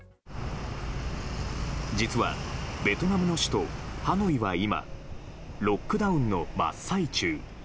実は、ベトナムの首都ハノイは今ロックダウンの真っ最中。